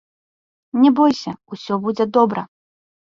Не бойся, усё будзе добра.